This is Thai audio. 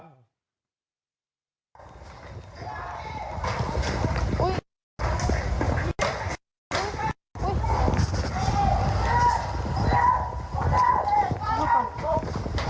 ซุกนี่เดียว